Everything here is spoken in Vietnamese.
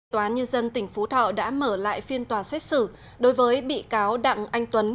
tòa nhân dân tỉnh phú thọ đã mở lại phiên tòa xét xử đối với bị cáo đặng anh tuấn